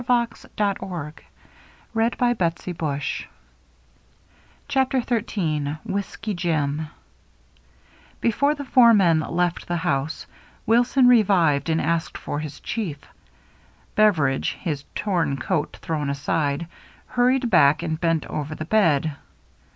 CHAPTER XIII WHISKEY JIM CHAPTER XIII WHISKEY JIM BEFORE the four men left the house Wil son revived and asked for his chief. Beveridge, his torn coat thrown aside, hurried back and bent over the bed.